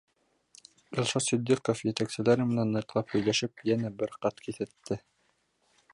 Илшат Ситдиҡов етәкселәре менән ныҡлап һөйләшеп, йәнә бер ҡат киҫәтте.